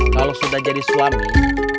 kalau sudah jadi suami